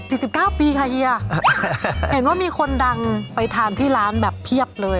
สิบเก้าปีค่ะเฮียเห็นว่ามีคนดังไปทานที่ร้านแบบเพียบเลย